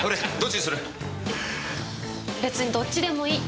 別にどっちでもいい。